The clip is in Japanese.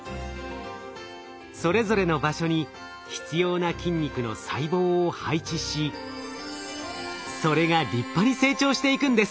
それぞれの場所に必要な筋肉の細胞を配置しそれが立派に成長していくんです。